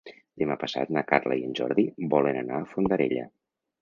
Demà passat na Carla i en Jordi volen anar a Fondarella.